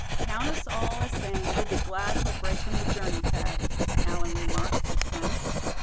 "Count us all as saying we'll be glad of a break in the journey, Thad," Allan remarked, just then.